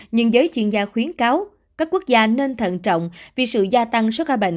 nhưng giới chuyên gia khuyến cáo các quốc gia nên thận trọng vì sự gia tăng số ca bệnh